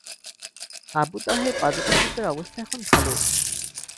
আবু তাহের পাদুকাশিল্পের অবস্থা এখন ভালো।